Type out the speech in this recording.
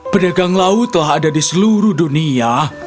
pedagang laut telah ada di seluruh dunia